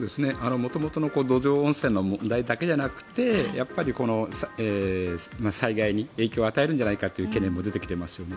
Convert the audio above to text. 元々の土壌汚染の問題だけじゃなくてやっぱり災害に影響を与えるんじゃないかという懸念も出てきていますね。